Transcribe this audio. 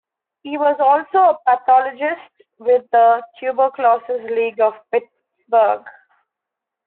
He was also a pathologist with the Tuberculosis League of Pittsburg.